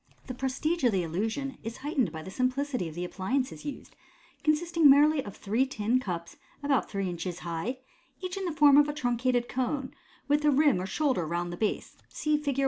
The prestige of the illusion is heightened by the simplicity of the appliances used, consisting merely of three tin cups about three inches high, each in the form of a truncated cone, with a rim or shoulder round the base (see Fig.